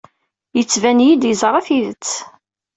Yettban-iyi-d yeẓra tidet.